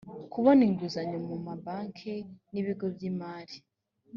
kubona inguzanyo mu ma banki n ibigo by imari